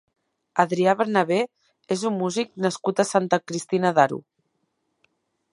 Adrià Bernabé és un músic nascut a Santa Cristina d'Aro.